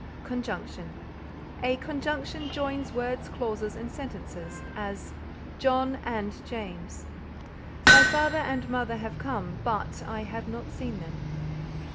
CONJUNCTION A conjunction joins words, clauses and sentences; as "John and James." "My father and mother have come, but I have not seen them."